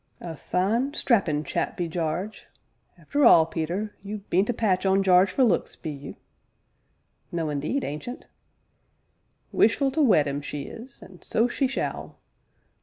"A fine, strappin' chap be Jarge; arter all, Peter, you bean't a patch on Jarge for looks, be you?" "No, indeed, Ancient!" "Wishful to wed 'im, she is, an' so she shall.